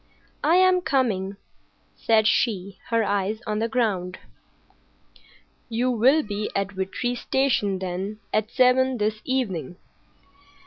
"I am coming," said she, her eyes on the ground. "You will be at Vitry Station, then, at seven this evening."